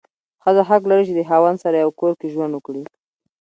ښځه حق لري چې د خاوند سره یو کور کې ژوند وکړي.